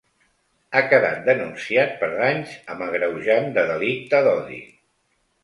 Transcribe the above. Ha quedat denunciat per danys amb agreujant de delicte d’odi.